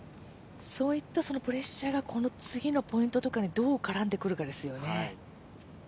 そういったプレッシャーがこの次のポイントとかにどう絡んでくるかですよね。